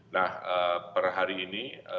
nah per hari ini